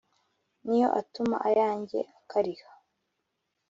ni yo atuma ayanjye akariha,